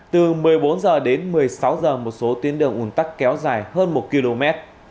từ một mươi bốn h đến một mươi sáu h một số tuyến đường ủn tắc kéo dài hơn một km